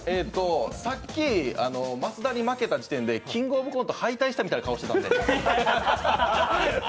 さっき益田に負けた時点で「キングオブコント」敗退したみたいな顔してたんで。